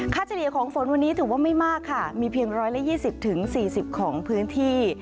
เฉลี่ยของฝนวันนี้ถือว่าไม่มากค่ะมีเพียง๑๒๐๔๐ของพื้นที่